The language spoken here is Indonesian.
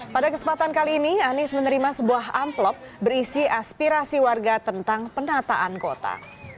pada kesempatan kali ini anies menerima sebuah amplop berisi aspirasi warga tentang penataan kota